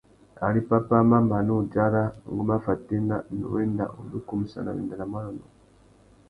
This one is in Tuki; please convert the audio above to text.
Ari pápá a mà mana udzara, ngu má fatēna, nnú wenda undú kumsana wenda nà manônōh.